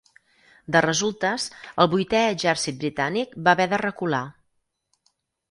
De resultes, el Vuitè Exèrcit britànic va haver de recular.